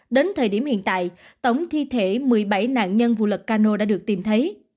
đến thời điểm hiện tại tổng thi thể một mươi bảy nạn nhân vụ lật cano đã được tìm thấy